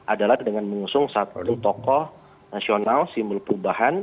adalah dengan mengusung satu tokoh nasional simbol perubahan